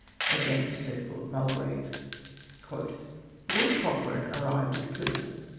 Again, said Lo]\l Mulgrave :—• "Lord Cochrane arrived at Plymouth.